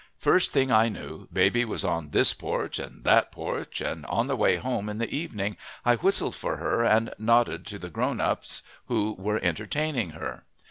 First thing I knew baby was on this porch and that porch, and on the way home in the evening I whistled for her and nodded to the grownups who were entertaining her.